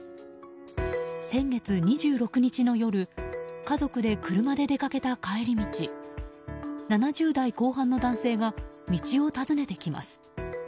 先月２６日の夜家族で車で出かけた帰り道７０代後半の男性が道を尋ねてきます。